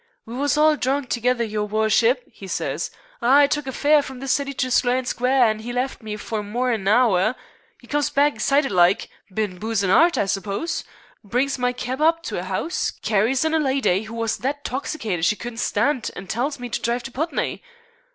'We was all drunk together, your wurshup,' 'e says. 'I took a fare from the City to Sloane Square, an' 'e left me for more'n an hour. 'E comes back excited like bin boozin' 'ard, I suppose brings my keb up to a 'ouse, carries in a lydy who was that 'toxicated she couldn't stand, an' tells me to drive to Putney.